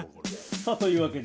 さぁというわけで。